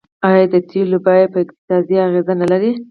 آیا د تیلو بیه په اقتصاد اغیز نلري؟